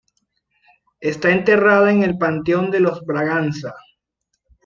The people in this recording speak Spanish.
Está enterrada en el Panteón de los Braganza.